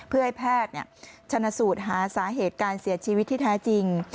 เพื่อให้แพทย์ชนสูตรหาสาเหตุการเสียชีวิตที่แท้จริง